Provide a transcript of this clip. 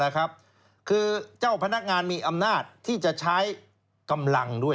คือเจ้าพนักงานมีอำนาจที่จะใช้กำลังด้วย